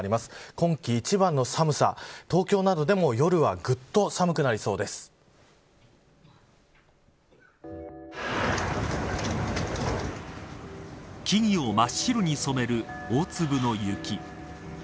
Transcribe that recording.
今季一番の寒さ、東京などでも木々を真っ白に染める大粒の雪。